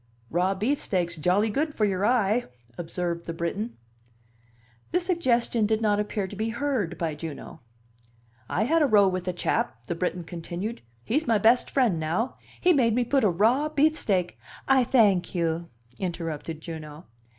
"Raw beefsteak's jolly good for your eye," observed the Briton. This suggestion did not appear to be heard by Juno. "I had a row with a chap," the Briton continued. He's my best friend now. He made me put raw beefsteak " "I thank you," interrupted Juno.